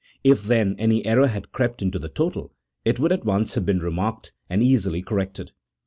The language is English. If, then, any error had crept into the total, it would at once have been remarked, and easily cor rected.